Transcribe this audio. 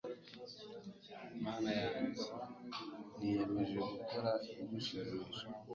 mana yanjye, niyemeje gukora ibigushimisha